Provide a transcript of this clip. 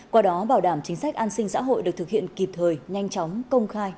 qua đó bảo đảm chính sách an sinh xã hội được thực hiện kịp thời nhanh chóng công khai